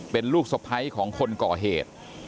เป็นลูกสะพ้ายของคนก่อเหตุ